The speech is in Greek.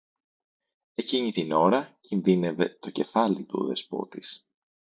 Εκείνη την ώρα, κινδύνευε το κεφάλι του ο Δεσπότης